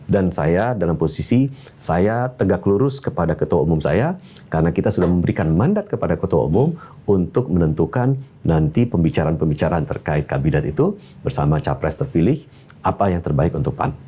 dan saya dalam posisi saya tegak lurus kepada ketua umum saya karena kita sudah memberikan mandat kepada ketua umum untuk menentukan nanti pembicaraan pembicaraan terkait kabinet itu bersama capres terpilih apa yang terbaik untuk pan